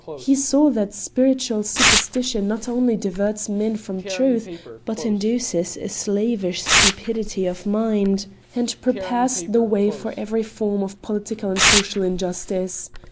He saw that spiritual superstition not only diverts men from Truth, but induces a slavish stupidity of mind, and prepares the way for every form of political and social injustice.